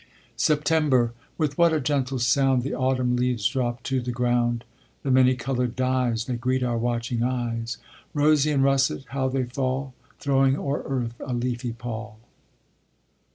SEPTEMBER With what a gentle sound The autumn leaves drop to the ground; The many colored dyes, They greet our watching eyes. Rosy and russet, how they fall! Throwing o'er earth a leafy pall.